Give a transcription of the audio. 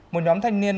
một nhóm thanh niên